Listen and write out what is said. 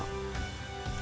ketahanan pangan nasional